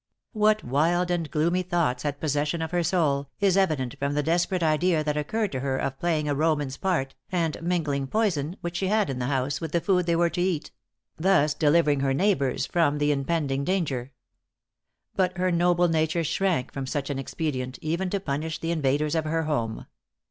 What wild and gloomy thoughts had possession of her soul, is evident from the desperate idea that occurred to her of playing a Roman's part, and mingling poison, which she had in the house, with the food they were to eat; thus delivering her neighbors from the impending danger. But her noble nature shrank from such an expedient, even to punish the invaders of her home.